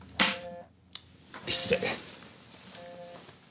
失礼。